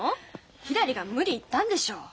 ひらりが無理言ったんでしょ。